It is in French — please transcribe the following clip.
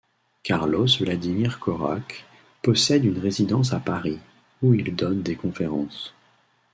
Carlos Vladimir Corach possède une résidence à Paris, où il donne des conférences.